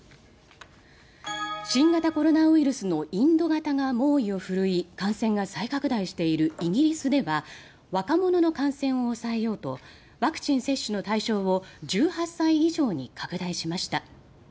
新型コロナウイルスのインド型が猛威を振るい感染が再拡大しているイギリスでは若者の感染を抑えようとワクチン接種の対象を１８歳以上に拡大しました。